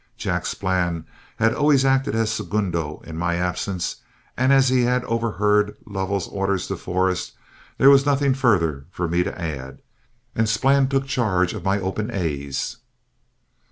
Jack Splann had always acted as segundo in my absence, and as he had overheard Lovell's orders to Forrest, there was nothing further for me to add, and Splann took charge of my "Open A's."